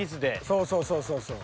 ［そうそうそうそうそう］